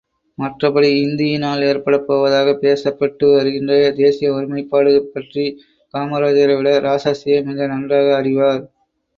மற்றபடி இந்தியினால் ஏற்படப் போவதாகப் பேசப்பட்டு வருகின்ற தேசிய ஒருமைப்பாடுபற்றிக் காமராசரைவிட இராசாசியே மிக நன்றாக அறிவார்.